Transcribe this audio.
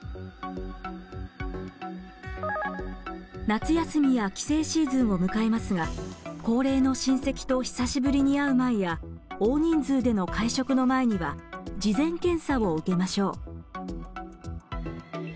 夏休みや帰省シーズンを迎えますが高齢の親戚と久しぶりに会う前や大人数での会食の前には事前検査を受けましょう。